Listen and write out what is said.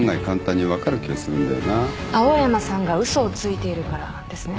青山さんが嘘をついているからですね。